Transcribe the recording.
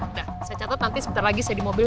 udah saya catat nanti sebentar lagi saya di mobil